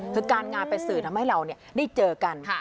คือการงานเป็นสื่อทำให้เราได้เจอกัน